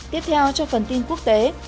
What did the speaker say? tiếp theo cho phần tin quốc tế